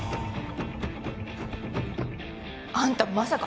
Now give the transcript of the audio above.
あんたまさか